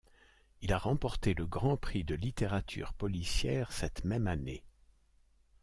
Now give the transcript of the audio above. Il a remporté le grand prix de littérature policière cette même année.